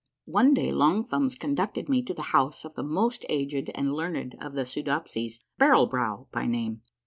One day Long Thumbs conducted me to the house of the most aged and learned of the Soodopsies, Barrel Brow by name.